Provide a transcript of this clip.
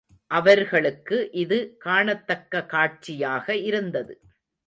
அவர்களுக்கு இது காணத்தக்க காட்சியாக இருந்தது.